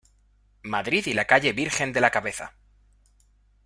Madrid y la calle Virgen de la Cabeza.